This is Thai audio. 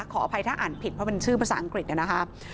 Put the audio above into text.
ขออภัยถ้าอ่านผิดเพราะเป็นชื่อภาษาอังกฤษนะครับ